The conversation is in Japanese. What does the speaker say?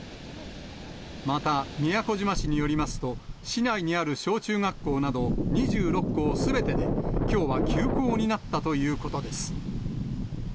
また、宮古島市によりますと、市内にある小中学校など２６校すべてで、きょうは休校になったということです。